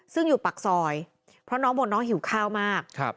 ซึ่งอยู่ปากซอยเพราะน้องบอกน้องหิวข้าวมาก